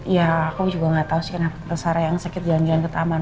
ya aku juga gak tau sih kenapa sarah yang sakit jalan jalan ke taman